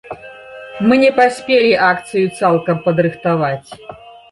Мы не паспелі акцыю цалкам падрыхтаваць.